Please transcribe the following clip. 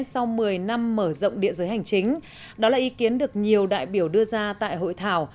sau một mươi năm mở rộng địa giới hành chính đó là ý kiến được nhiều đại biểu đưa ra tại hội thảo